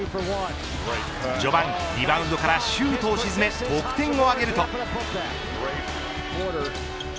序盤リバウンドからシュートを沈め得点を挙げると。